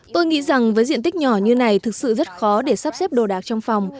tôi nghĩ rằng với diện tích nhỏ như này thực sự rất khó để sắp xếp đồ đạc trong phòng